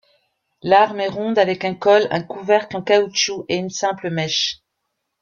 L'arme est ronde avec un col, un couvercle en caoutchouc, et une simple mèche.